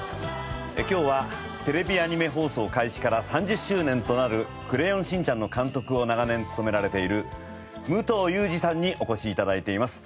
今日はテレビアニメ放送開始から３０周年となる『クレヨンしんちゃん』の監督を長年務められているムトウユージさんにお越し頂いています。